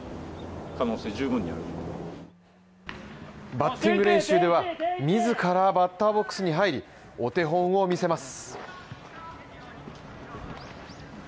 バッティング練習では自らバッターボックスに入り、お手本を見せます。